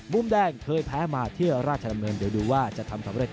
มุมแดงเคยแพ้มาเที่ยวราชดำเนินเดี๋ยวดูว่าจะทำสำเร็จ